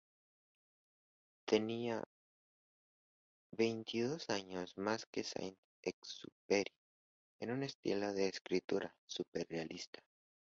Tenía veintidós años más que Saint-Exupery, y un estilo de escritura surrealista.